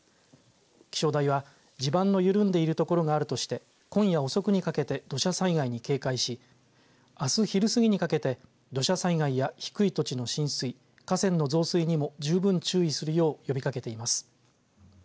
気象台は地盤の緩んでいるところがあるとして今夜遅くにかけて土砂災害に警戒しあす昼過ぎにかけて土砂災害や低い土地の浸水河川の増水にも十分注意するよう呼びかけています。